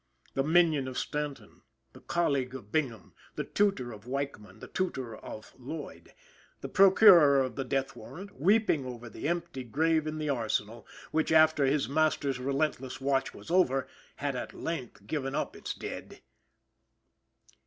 The minion of Stanton, the colleague of Bingham, the tutor of Weichman, the tutor of Lloyd, the procurer of the death warrant, weeping over the empty grave in the Arsenal, which, after his master's relentless watch was over, had at length given up its dead!